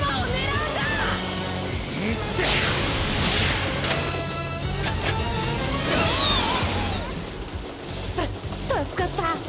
た助かった。